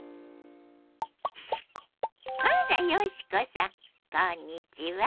あら嘉子さんこんにちは。